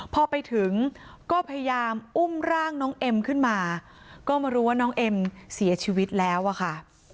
พอไปถึงก็พยายามอุ้มร่างน้องเอ็มขึ้นมาก็มารู้ว่าน้องเอ็มเสียชีวิตแล้วอะค่ะ